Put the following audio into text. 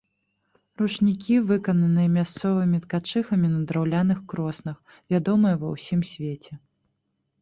Ручнікі, выкананыя мясцовымі ткачыхамі на драўляных кроснах, вядомыя ва ўсім свеце.